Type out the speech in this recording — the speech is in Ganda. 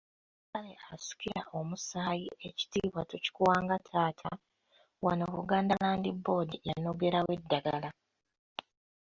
Kale asikira omusaayi ekitiibwa tukikuwa nga taata, wano Buganda Land Board yanogerawo eddagala.